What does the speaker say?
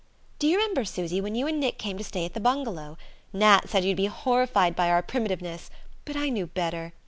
"Do you remember, Susy, when you and Nick came to stay at the bungalow? Nat said you'd be horrified by our primitiveness but I knew better!